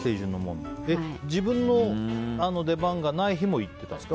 自分の出番がない日も行ってたんですか？